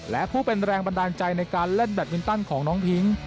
และผู้เป็นแรงบันดาลใจในการเล่นแบตมินตันของน้องพิ้ง